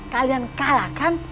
kalian kalah kan